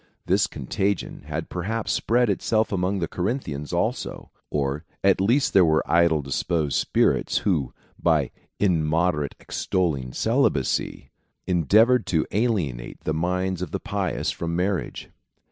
This con tagion had perhaps spread itself among the Corinthians also ; or at least there were idly disposed spirits, who, by immo derately extolling celibacy, endeavoured to alienate the minds of the pious from marriage.